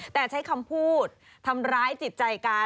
แต่ใช้คำพูดทำร้ายจิตใจการ